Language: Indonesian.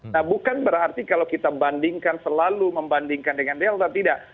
nah bukan berarti kalau kita bandingkan selalu membandingkan dengan delta tidak